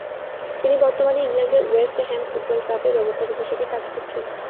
তিনি বর্তমানে ইংল্যান্ডের ওয়েস্ট হ্যাম ফুটবল ক্লাবে ব্যবস্থাপক হিসেবে কাজ করছেন।